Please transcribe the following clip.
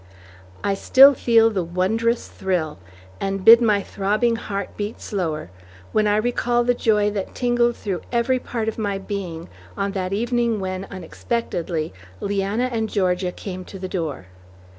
I still feel the wondrous thrill, and bid my throbbing heart beat slower, when I recall the joy that tingled through every part of my being on that evening when, unexpectedly, Leanna and Georgia came to the door.